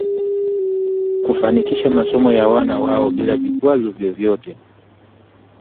kufanikisha masomo ya wana wao bila vikwazo vyovyote